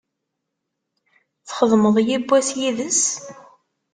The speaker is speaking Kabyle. Txedmeḍ yewwas yid-s?